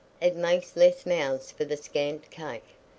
It makes less mouths for the scant cake.